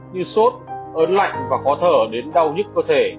như sốt ớn lạnh và khó thở đến đau nhích cơ thể